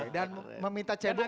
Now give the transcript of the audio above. dan meminta cebong untuk